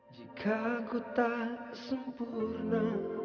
jika gue tak sempurna